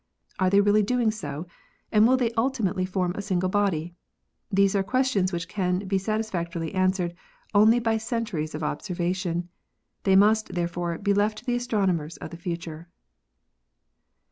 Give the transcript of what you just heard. Are they really doing so and will they ultimately form a single body? These are questions which can be satsifactorily answered only by centuries of observation. They must, therefore, be left to the astronomers of the future."